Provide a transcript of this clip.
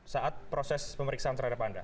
saat proses pemeriksaan terhadap anda